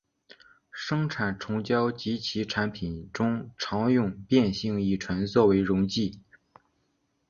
生产虫胶及其产品中常用变性乙醇作为溶剂。